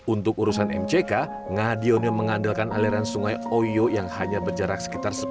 untuk urusan mck ngadiono mengandalkan aliran sungai oyo yang hanya berjarak sekitar sepuluh meter dari tempat tinggalnya